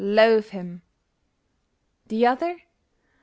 loathe him! The other!